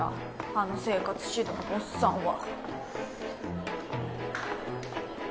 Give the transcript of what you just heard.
あの生活指導のおっさんは。